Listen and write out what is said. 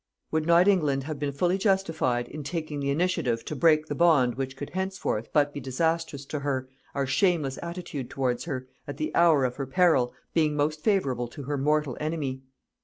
Would not England have been fully justified in taking the initiative to break the bond which could henceforth but be disastrous to her, our shameless attitude towards her, at the hour of her peril, being most favourable to her mortal enemy.